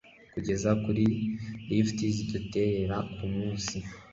Kugeza kuri lift ziduterera kumunsi ...